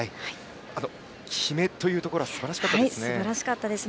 あと、極めというところはすばらしかったですね。